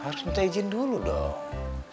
harus minta izin dulu dong